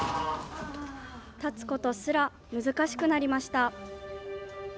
立つことすら難しくなりました。